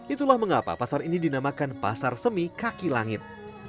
itulah mengapa pasar ini dinamakan pasar semikaki langit